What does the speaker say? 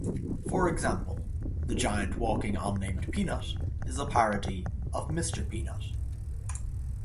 For example, the giant walking unnamed peanut is a parody of Mr. Peanut.